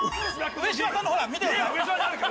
上島さんのほら見てください。